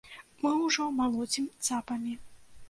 Мы ўжо малоцім цапамі.